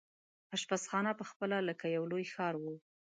اشپزخانه پخپله لکه یو لوی ښار وو.